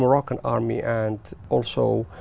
và quân đội màu bắc